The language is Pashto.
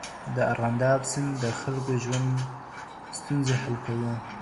د ارغنداب سیند د خلکو د ژوند ستونزې حل کوي.